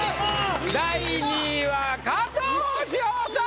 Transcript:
第２位は加藤史帆さん！